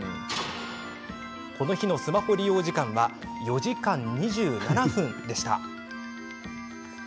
この日のスマホ利用時間は４時間２７分でした。